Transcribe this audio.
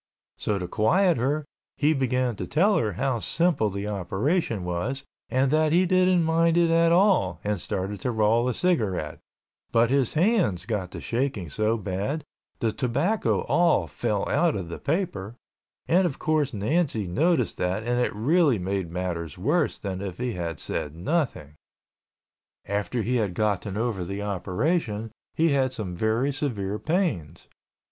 So to quiet her, he began to tell her how simple the operation was and that he didn't mind it at all and started to roll a cigarette, but his hands got to shaking so bad the tobacco all fell out of the paper and, of course, Nancy noticed that and it really made matters worse than if he had said nothing. After he had gotten over the operation, he had some very severe pains.